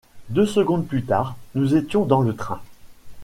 Deux secondes plus tard, nous étions dans le train.